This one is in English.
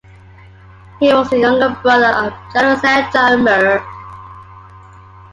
He was the younger brother of General Sir John Moore.